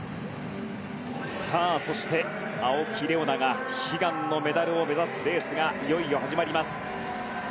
そして、青木玲緒樹が悲願のメダルを目指すレースがいよいよ始まります。